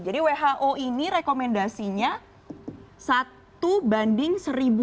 jadi who ini rekomendasinya satu banding seribu